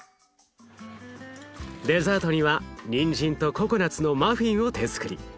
デザートにはにんじんとココナツのマフィンを手づくり。